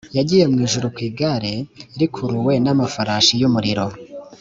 yagiye mu ijuru ku igare rikuruwe n’ amafarashi y’umuliro